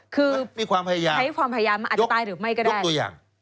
คือมีความพยายามยกตัวอย่าง